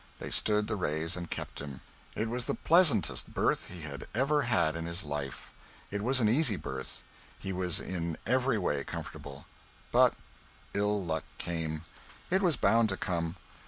They stood the raise and kept him. It was the pleasantest berth he had ever had in his life. It was an easy berth. He was in every way comfortable. But ill luck came. It was bound to come.